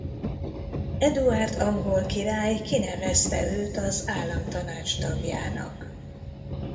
Eduárd angol király kinevezte őt az államtanács tagjának.